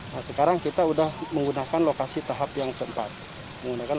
nah sekarang kita udah menggunakan lokasi tahap yang keempat untuk persiapan september oktober